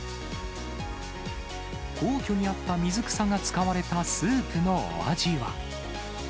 皇居にあった水草が使われたスープのお味は。